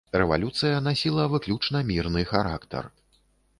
Рэвалюцыя насіла выключна мірны характар.